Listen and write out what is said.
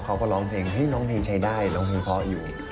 เขาก็ร้องเพลงเฮ้ยร้องเพลงใช้ได้ร้องเพลงเพราะอยู่